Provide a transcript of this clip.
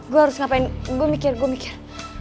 gue harus ngapain gue mikir gue mikir